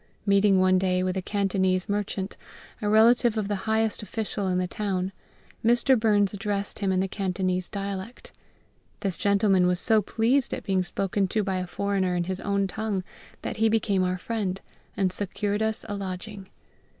Meeting one day with a Cantonese merchant, a relative of the highest official in the town, Mr. Burns addressed him in the Cantonese dialect; this gentleman was so pleased at being spoken to by a foreigner in his own tongue that he became our friend, and secured us a lodging.